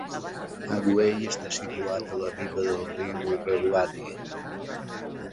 Magway està situat a la riba del riu Irrawaddy.